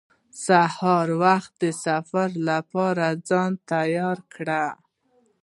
سهار وختي د سفر لپاره ځان تیار کړ.